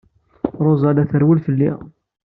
Ṛuza la trewwel fell-i.